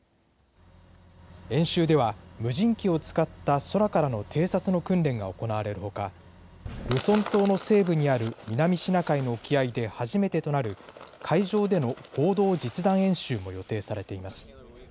演習では無人機を使った空からの偵察の訓練が行われるほかルソン島の西部にある南シナ海の沖合で初めてとなる海上での合同実弾演習も予定されています。